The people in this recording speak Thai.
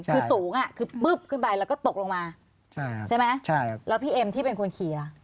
คือสูงคือปุ๊บขึ้นไปแล้วก็ตกลงมาใช่ไหมแล้วพี่เอ็มที่เป็นคนเคลียร์